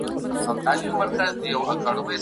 منډېلا په خپل یادښت کې د تل لپاره ژوندی پاتې شو.